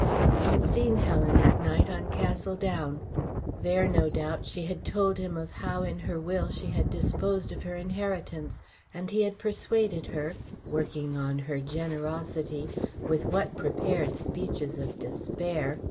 He had seen Helen that night on Castle Down; there, no doubt, she had told him how in her will she had disposed of her inheritance; and he had persuaded her, working on her generosity with what prepared speeches of despair!